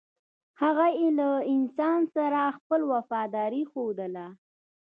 هغه له انسان سره خپله وفاداري ښودله.